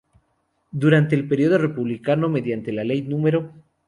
Durante el periodo Republicano, mediante la ley No.